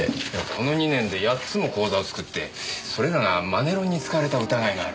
この２年で８つも口座を作ってそれらがマネロンに使われた疑いがある。